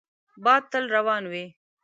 باد تل روان وي